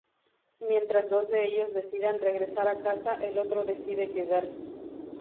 Mientras dos de ellos deciden regresar a casa, el otro decide quedarse.